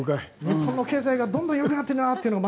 日本の経済がどんどんよくなっている日本というのを